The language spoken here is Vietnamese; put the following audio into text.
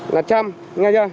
là chăm nghe chưa